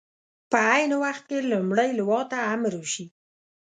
په عین وخت کې لومړۍ لواء ته امر وشي.